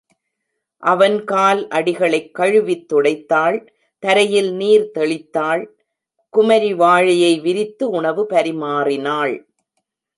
அவன் கால் அடிகளைக் கழுவித் துடைத்தாள், தரையில் நீர் தெளித்தாள், குமரிவாழையை விரித்து உணவு பரிமாறினாள்.